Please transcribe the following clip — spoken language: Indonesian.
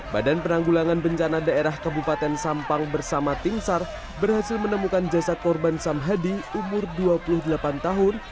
badan penanggulangan bencana daerah kabupaten sampang bersama tim sar berhasil menemukan jasad korban samhadi umur dua puluh delapan tahun